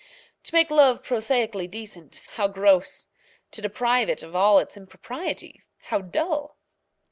To make Love prosaically decent, how gross! to deprive it of all impropriety, how dull!